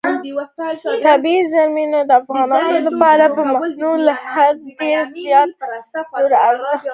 طبیعي زیرمې د افغانانو لپاره په معنوي لحاظ ډېر زیات او لوی ارزښت لري.